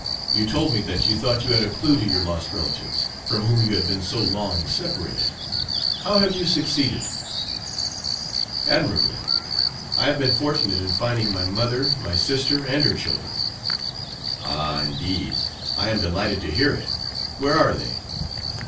You told me that you thought you had a clue to your lost relatives, from whom you had been so long separated. How have you succeeded?" "Admirably! I have been fortunate in finding my mother, my sister, and her children." "Ah, indeed! I am delighted to hear it. Where are they?"